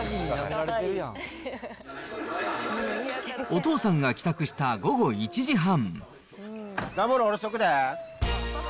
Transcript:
お父さんが帰宅した午後１時半。